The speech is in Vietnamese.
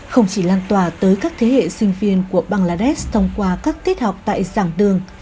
không chỉ lan tỏa tới các thế hệ sinh viên của bangladesh thông qua các tiết học tại giảng đường